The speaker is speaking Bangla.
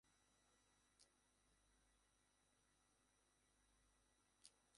এছাড়া বিপুল সংখ্যক সনাতন ধর্মালম্বী এবং কিছু বৌদ্ধ ও খ্রিস্টান ধর্মালম্বী রয়েছেন।